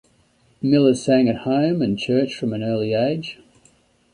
Miller sang at home and church from an early age.